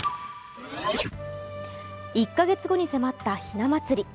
１か月後に迫ったひな祭り。